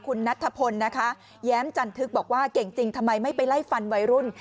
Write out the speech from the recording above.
คุณนัทธพลนะคะแย้มจันทึกบอกว่าเก่งจริงทำไมไม่ไปไล่ฟันวัยรุ่น